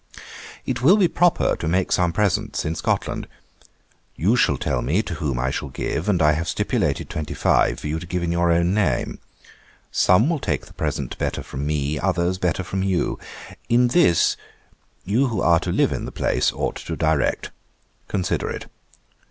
'It will be proper to make some presents in Scotland. You shall tell me to whom I shall give; and I have stipulated twenty five for you to give in your own name. Some will take the present better from me, others better from you. In this, you who are to live in the place ought to direct. Consider it.